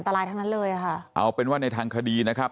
ตายทั้งนั้นเลยอ่ะค่ะเอาเป็นว่าในทางคดีนะครับ